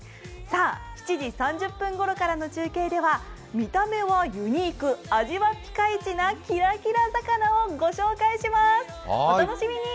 ７時３０分ごろからの中継では見た目はユニーク、味はピカイチなキラキラ魚をご紹介します、お楽しみに！